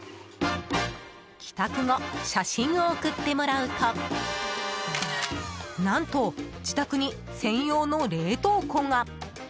帰宅後、写真を送ってもらうと何と自宅に専用の冷凍庫が。